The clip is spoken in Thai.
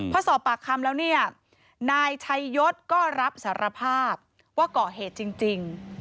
พอสอบปากคำแล้วเนี่ยนายชัยยศก็รับสารภาพว่าก่อเหตุจริง